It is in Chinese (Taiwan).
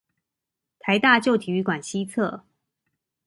臺大舊體育館西側